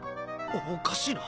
おかしいな。